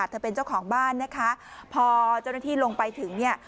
เธอเป็นเจ้าของบ้านนะคะพอเจ้าหน้าที่ลงไปถึงเนี่ย